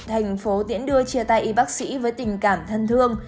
thành phố tiễn đưa chia tay y bác sĩ với tình cảm thân thương